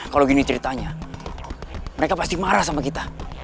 kalau gini ceritanya mereka pasti marah sama kita